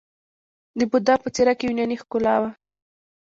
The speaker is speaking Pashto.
د بودا په څیره کې یوناني ښکلا وه